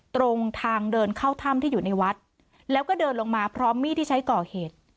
ตรงทางเดินเข้าถ้ำที่อยู่ในวัดแล้วก็เดินลงมาพร้อมมีดที่ใช้ก่อเหตุ